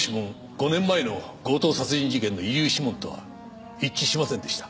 ５年前の強盗殺人事件の遺留指紋とは一致しませんでした。